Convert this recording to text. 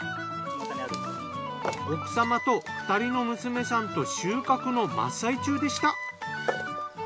奥様と２人の娘さんと収穫の真っ最中でした。